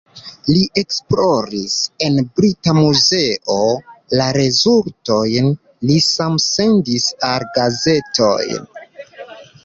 Li esploris en Brita Muzeo, la rezultojn li same sendis al gazetoj.